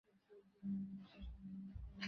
তাঁহার এই বাণীর মধ্যেই জীবনের গূঢ় রহস্য নিহিত।